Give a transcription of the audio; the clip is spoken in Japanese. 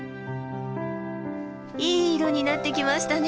いい色になってきましたね。